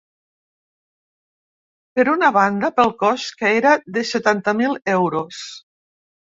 Per una banda, pel cost, que era de setanta mil euros.